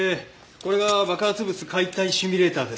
これが爆発物解体シミュレーターですか。